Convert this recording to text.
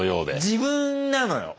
自分なのよ。